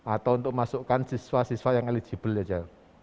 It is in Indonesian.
atau untuk masukkan siswa siswa yang eligible aja